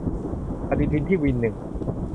ปฏิทินที่วินหนึ่ง